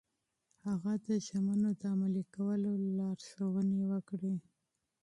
هغه د ژمنو د عملي کولو لارښوونې وکړې.